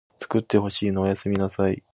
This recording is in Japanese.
つくってほしいのおやすみなさい